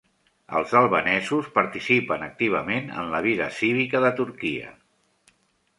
Els albanesos participen activament en la vida cívica de Turquia.